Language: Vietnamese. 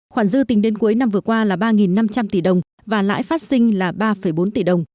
khoản dư tính đến cuối năm vừa qua là ba năm trăm linh tỷ đồng và lãi phát sinh là ba bốn tỷ đồng